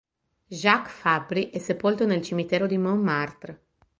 Jacques Fabbri è sepolto nel cimitero di Montmartre.